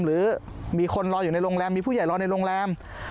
หรือมีคนรออยู่ในโรงแรมมีผู้ใหญ่รอในโรงแรม